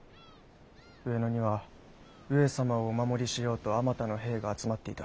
上野には上様をお守りしようとあまたの兵が集まっていた。